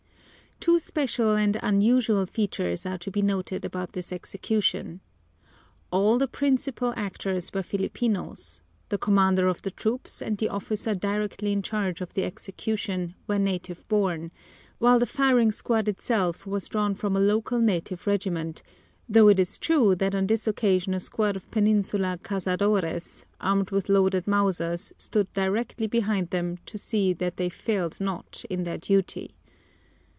Two special and unusual features are to be noted about this execution. All the principal actors were Filipinos: the commander of the troops and the officer directly in charge of the execution were native born, while the firing squad itself was drawn from a local native regiment, though it is true that on this occasion a squad of Peninsular cazadores, armed with loaded Mausers, stood directly behind them to see that they failed not in their duty.